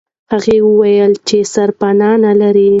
هغه وویل چې سرپنا نه لري.